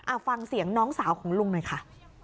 เอาฟังเสียงน้องสาวของลุงหน่อยค่ะ